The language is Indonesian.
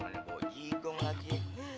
gak ada bojigong lagi